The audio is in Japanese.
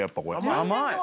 甘い！